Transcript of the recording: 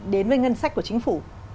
đến với ngân sách của chính phủ